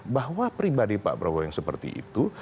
bahwa pribadi pak prabowo yang seperti itu